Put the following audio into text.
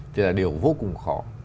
thì là điều vô cùng khó